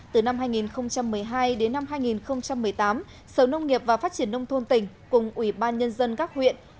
từ năm hai nghìn một mươi hai đến năm hai nghìn một mươi tám sở nông nghiệp và phát triển nông thôn tỉnh cùng ủy ban nhân dân các huyện